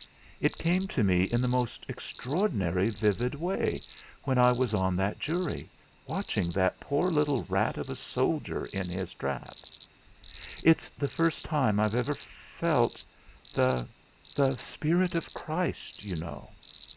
It came to me in the most extraordinary vivid way, when I was on that jury, watching that poor little rat of a soldier in his trap; it's the first time I've ever felt the the spirit of Christ, you know.